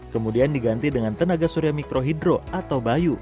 kemudian diganti dengan tenaga surya mikro hidro atau bayu